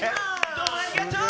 どうもありがとう！